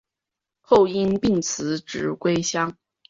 后因病辞职归乡。